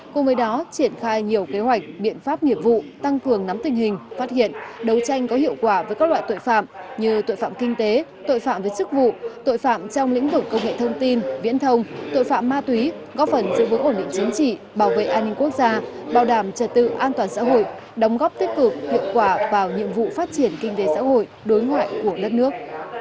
cùng với đó triển khai nhiều kế hoạch biện pháp nghiệp vụ tăng cường nắm tình hình phát hiện đấu tranh có hiệu quả với các loại tội phạm như tội phạm kinh tế tội phạm về sức vụ tội phạm trong lĩnh vực công nghệ thông tin viễn thông tội phạm ma túy góp phần giữ vững ổn định chính trị bảo vệ an ninh quốc gia bảo đảm trật tự an toàn xã hội đóng góp tích cực hiệu quả vào nhiệm vụ phát triển kinh tế xã hội đối ngoại của đất nước